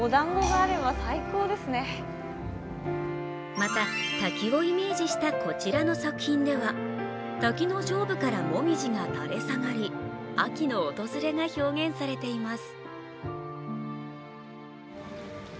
また滝をイメージしたこちらの作品では滝の上部からもみじが垂れ下がり秋の訪れが表現されています。